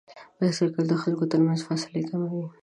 بایسکل د خلکو تر منځ فاصلې کموي.